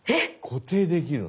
固定できるんだ。